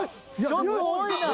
ちょっと多いな。